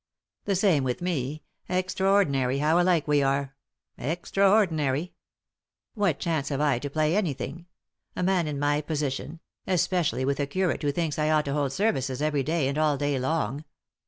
" The same with me— extraordinary, how alike we are — extraordinary I What chance have I to play anything ?— a man in my position 1 — especially with a curate who thinks I ought to hold services every day and all day long.